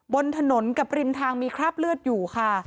บนถนนกับริมทางมีคราบเลือดอยู่ค่ะ